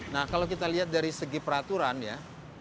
nah kalau kita lihat dari segi peraturan ya